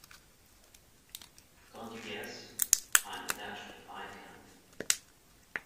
'Can't you guess?' 'I'm dashed if I can.'